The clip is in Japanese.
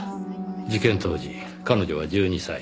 事件当時彼女は１２歳。